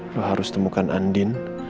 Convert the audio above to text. lo harus temukan andin